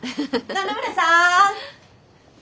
野々村さん！